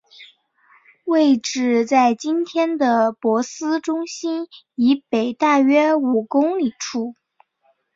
位置在今天的珀斯中心以北大约五公里处。